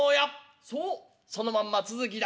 「そうそのまんま続きだ。